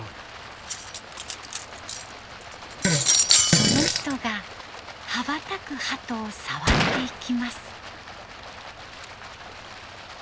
その人が羽ばたくはとを触っていきます。